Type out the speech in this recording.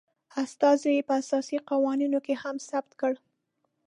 استازو یي په اساسي قوانینو کې هم ثبت کړ